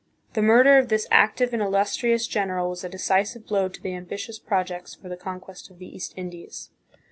The murder of this active and illustrious general was a decisive blow to the ambitious projects for the con quest of the East Indies.